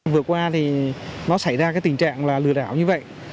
vừa qua thì nó xảy ra cái tình trạng là lừa đảo như vậy